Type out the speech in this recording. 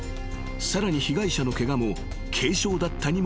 ［さらに被害者のケガも軽傷だったにもかかわらず］